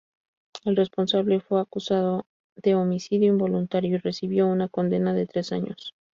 El responsable fue acusado de homicidio involuntario y recibió una condena de tres años.